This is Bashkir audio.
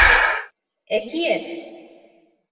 Әкиәт.